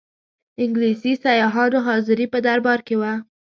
انګلیسي سیاحانو حاضري په دربار کې وه.